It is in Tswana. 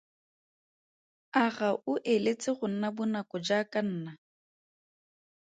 A ga o eletse go nna bonako jaaka nna.